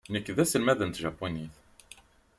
Nekk d aselmad n tjapunit.